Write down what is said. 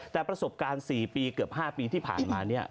แต่ประสบการณ์๔ปีเกือบ๕ปีที่ผ่านมาเนี่ย